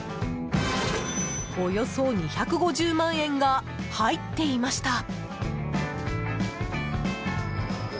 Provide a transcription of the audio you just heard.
およそ２５０万円が入っていました。